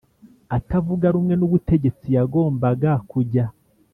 atavuga rumwe n ubutegetsi yagombaga kujya